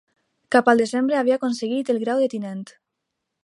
Cap al desembre havia aconseguit el grau de tinent.